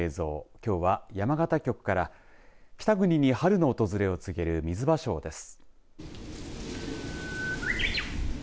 きょうは山形局から北国に春の訪れを告げるみずばしょうです。